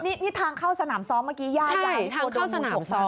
นี่ทางเข้าสนามซ้อมเมื่อกี้ย่าไซมา